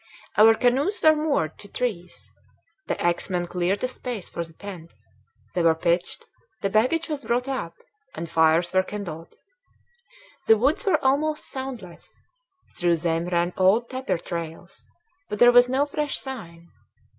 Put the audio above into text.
Our canoes were moored to trees. The axemen cleared a space for the tents; they were pitched, the baggage was brought up, and fires were kindled. The woods were almost soundless. Through them ran old tapir trails, but there was no fresh sign.